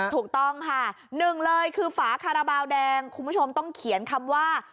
ถูกต้องค่ะหนึ่งเลยคือฝาคาราบาลแดงคุณผู้ชมต้องเขียนคำว่า